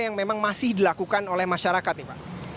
yang memang masih dilakukan oleh masyarakat nih pak